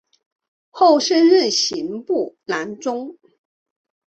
后升任刑部郎中。